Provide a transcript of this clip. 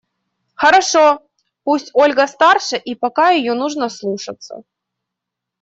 Хорошо! Пусть Ольга старше и пока ее нужно слушаться.